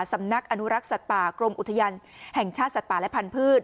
สำนักอนุรักษศะปากรมอุทยัลแห่งชาติสัตว์ป่าและพันธุ์พืช